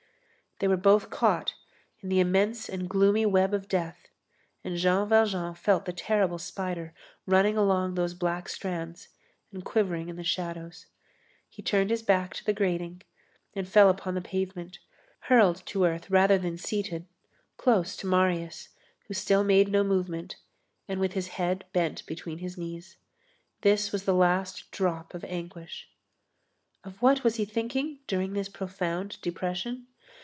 They were both caught in the immense and gloomy web of death, and Jean Valjean felt the terrible spider running along those black strands and quivering in the shadows. He turned his back to the grating, and fell upon the pavement, hurled to earth rather than seated, close to Marius, who still made no movement, and with his head bent between his knees. This was the last drop of anguish. Of what was he thinking during this profound depression?